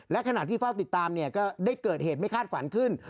และขณะที่เฝ้าติดตามเนี่ยก็ได้เกิดเหตุไม่คาดฝันขึ้น